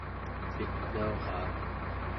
elitnauraa